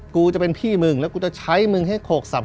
กูจะเป็นพี่มึงแล้วกูจะใช้มึงให้โขกสับ